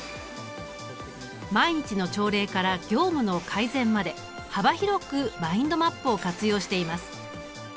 毎日の朝礼から業務の改善まで幅広くマインドマップを活用しています。